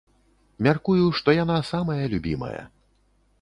Мяркую, што яна самая любімая.